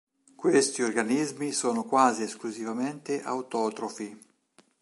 Questi organismi sono quasi esclusivamente autotrofi.